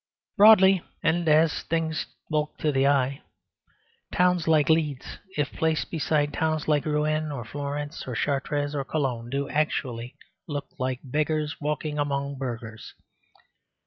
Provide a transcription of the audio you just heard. Broadly, and as things bulk to the eye, towns like Leeds, if placed beside towns like Rouen or Florence, or Chartres, or Cologne, do actually look like beggars walking among burghers.